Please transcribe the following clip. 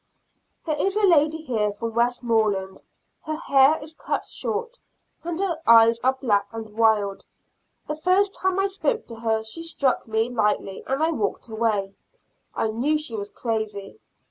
There is a lady here from Westmoreland; her hair is cut short, and her eyes are black and wild. The first time I spoke to her she struck me, lightly, and I walked away; I knew she was crazy.